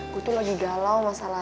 gue tuh lagi galau masalahnya